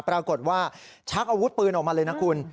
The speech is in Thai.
ปรากฏว่าชักอาวุธปืนออกมาเลยนะคุณ